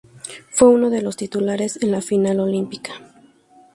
Fue uno de los titulares en la final olímpica.